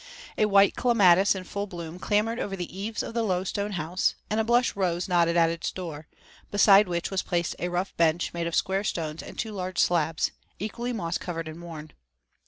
A white clematis in full bloom clambered over the eaves of the low stone house and a blush rose nodded at its door, beside which was placed a rough bench made of square stones and two large slabs, equally moss covered and worn.